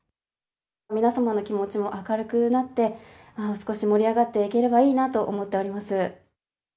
皆様の気持ちも明るくなって、少し盛り上がっていければいいなと思っております。